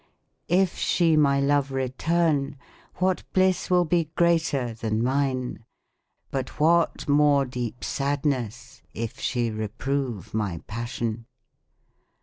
If she my love return, what bliss will be greater than mine ; but What more deep sadness if she reprove my passion